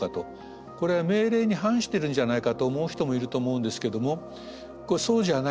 これは命令に反してるんじゃないかと思う人もいると思うんですけどもそうじゃないんですね。